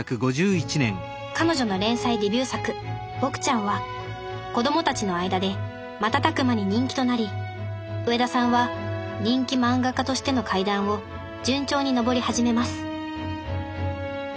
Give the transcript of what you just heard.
彼女の連載デビュー作「ぼくちゃん」は子供たちの間で瞬く間に人気となり上田さんは人気漫画家としての階段を順調に上り始めます